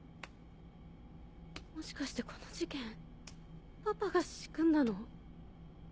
もしかしてこの事件パパが仕組んだの？